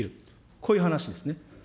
こういう話ですね。